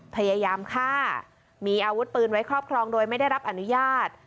พยายามฆ่ามีอาวุธปืนไว้ครอบครองโดยไม่ได้รับอนุญาต